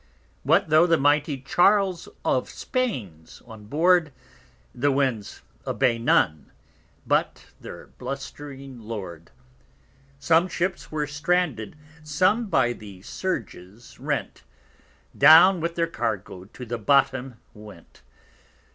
What tho' the mighty_ Charles of Spain_'s on board, The Winds obey none but their blust'ring Lord. 60 Some Ships were stranded, some by Surges rent, Down with their Cargo to the bottom went.